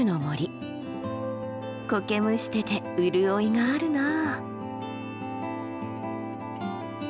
コケむしてて潤いがあるなあ。